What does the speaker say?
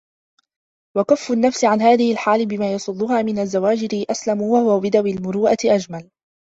وَكَفُّ النَّفْسِ عَنْ هَذِهِ الْحَالِ بِمَا يَصُدُّهَا مِنْ الزَّوَاجِرِ أَسْلَمُ وَهُوَ بِذَوِي الْمُرُوءَةِ أَجْمَلُ